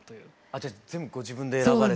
じゃあ全部ご自分で選ばれて？